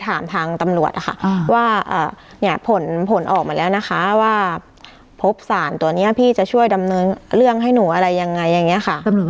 ให้หนูอะไรยังไงอย่างนี้ค่ะตำรวจว่าไงคะ